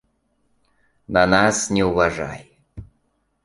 На нас не ўважай.